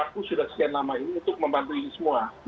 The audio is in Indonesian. aku sudah sekian lama ini untuk membantu ini semua